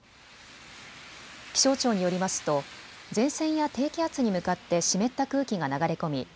気象庁によりますと前線や低気圧に向かって湿った空気が流れ込み